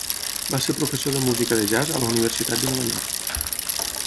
Va ser professor de música de jazz a la Universitat de Nova York.